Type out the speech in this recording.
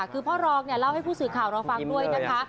คือพ่อรองเล่าให้ผู้สื่อข่าวเราฟังด้วยนะคะ